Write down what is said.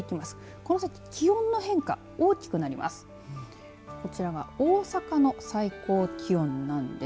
この先気温の変化、大きくなります。